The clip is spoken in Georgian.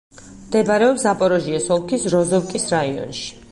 მდებარეობს ზაპოროჟიეს ოლქის როზოვკის რაიონში.